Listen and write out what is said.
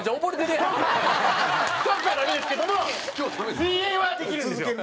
トークはダメですけども水泳はできるんですよ。